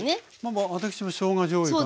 私もしょうがじょうゆかな。